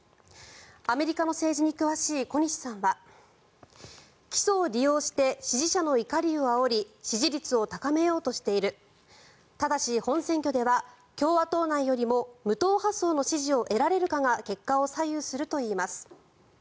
アメリカの政治に詳しい小西さんは起訴を利用して支持者の怒りをあおり支持率を高めようとしているただし本選挙では共和党内よりも無党派層の支持を得られるかが結果を左右するといいます。